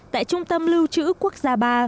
tại trung tâm lưu trữ quốc gia ba